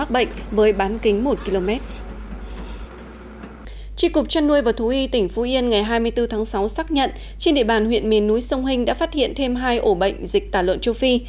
bộ đội biên phòng tỉnh phú yên ngày hai mươi bốn tháng sáu xác nhận trên địa bàn huyện miền núi xuân hình đã phát hiện thêm hai ổ bệnh dịch tả lợn châu phi